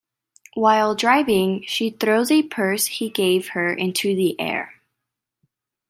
While driving, she throws a purse he gave her into the air.